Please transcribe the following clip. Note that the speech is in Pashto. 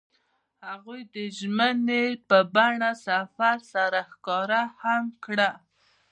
هغوی د ژمنې په بڼه سفر سره ښکاره هم کړه.